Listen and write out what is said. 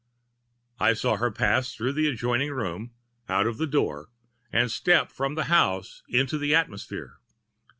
I saw her pass through the adjoining room, out of the door, and step from the house into the atmosphere!